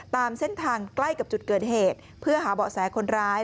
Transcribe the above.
ตามเส้นทางใกล้กับจุดเกิดเหตุเพื่อหาเบาะแสคนร้าย